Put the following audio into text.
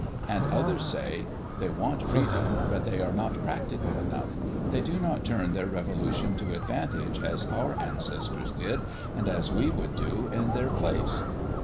And others say, "They want freedom, but they are not practical enough; they do not turn their revolution to advantage as our ancestors did, and as we would do in their place."